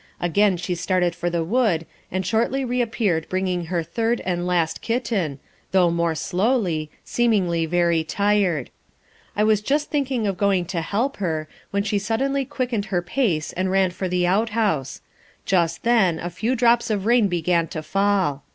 Again she started for the wood, and shortly reappeared bringing her third and last kitten, though more slowly, seemingly very tired. I was just thinking of going to help her, when she suddenly quickened her pace and ran for the outhouse; just then a few drops of rain began to fall.